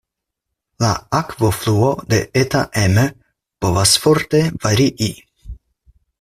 La akvofluo de Eta Emme povas forte varii.